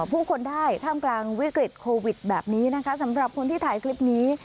ผู้คนได้ท่ามกลางวิกฤตโควิดแบบนี้นะคะสำหรับคนที่ถ่ายคลิปนี้